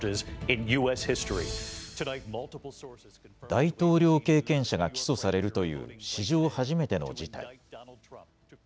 大統領経験者が起訴されるという史上初めての事態。